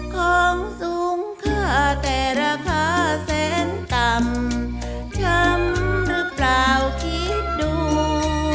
ของสูงค่าแต่ราคาแสนต่ำช้ำหรือเปล่าคิดดู